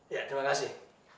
iya terima kasih